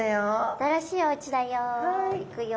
新しいおうちだよ。いくよ。